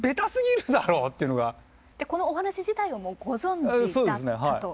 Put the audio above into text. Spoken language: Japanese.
このお話自体はもうご存じだったと。